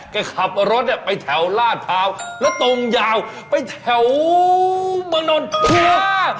ก็ขับรถไปแถวลาดพาวแล้วตรงยาวไปแถวบรรดา